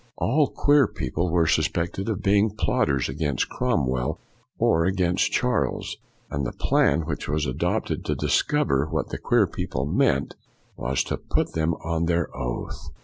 All queer people were suspected of being plotters against Cromwell or against Charles. And the plan which was adopted to discover what the queer people meant was to put them on their oath.